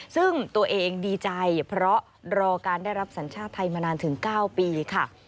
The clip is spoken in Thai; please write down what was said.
ซึ่งตัวเองดีใจเพราะรอการได้รับสัญชาติไทยมานานถึง๙ปีค่ะ